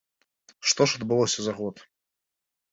Што ж адбылося за год?